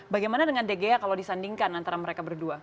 bagaimana dengan de gea kalau disandingkan antara mereka berdua